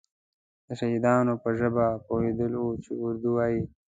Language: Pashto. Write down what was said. د شهادیانو په ژبه پوهېدلی وو چې اردو وایي.